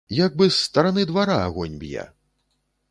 Як бы з стараны двара агонь б'е!